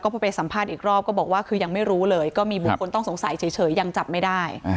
พอไปสัมภาษณ์อีกรอบก็บอกว่าคือยังไม่รู้เลยก็มีบุคคลต้องสงสัยเฉยยังจับไม่ได้